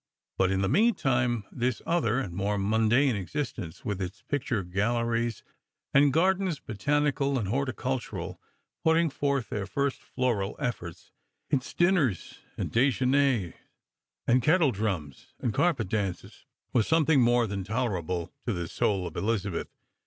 But, in the mean time, this other and more mundane existence, with its picture galleries, and gardens botanical or horticultural putting forth their first floral efforts, its dinners and dejeuners and kettle drums and carpet dances, was something more than tolerable to the soul of Elizabeth.